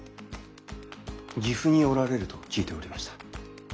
岐阜におられると聞いておりました。